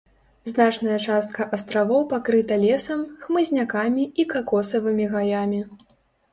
Значная частка астравоў пакрыта лесам, хмызнякамі і какосавымі гаямі.